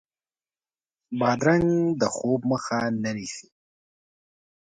بادرنګ د خوب مخه نه نیسي.